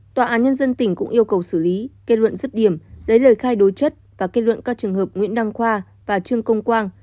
tòa án nhân dân tỉnh cũng yêu cầu xử lý kết luận dứt điểm lấy lời khai đối chất và kết luận các trường hợp nguyễn đăng khoa và trương công quang